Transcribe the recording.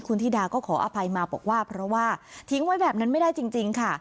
คุณธิดาก็ขออภัยมาบอกว่าเพราะว่าทิ้งไว้แบบนั้นไม่ได้จริงค่ะ